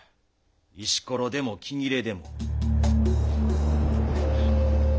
石ころでも木切れでも。